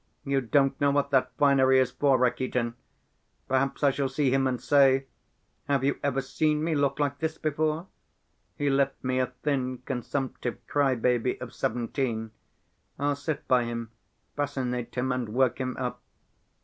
"You don't know what that finery is for, Rakitin! Perhaps I shall see him and say: 'Have you ever seen me look like this before?' He left me a thin, consumptive cry‐baby of seventeen. I'll sit by him, fascinate him and work him up.